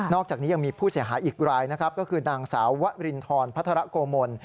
อกจากนี้ยังมีผู้เสียหายอีกรายนะครับก็คือนางสาววรินทรพัฒระโกมล